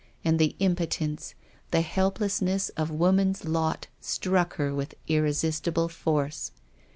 And the impotence, the helplessness of woman, struck her with irresistible force.